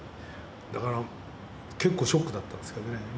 だから結構ショックだったんですけどね。